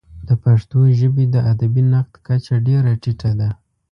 د پښتو ژبې د ادبي نقد کچه ډېره ټیټه ده.